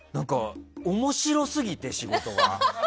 面白すぎて、仕事が。